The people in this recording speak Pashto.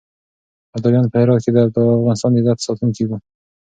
ابدالیان په هرات کې د افغانستان د عزت ساتونکي وو.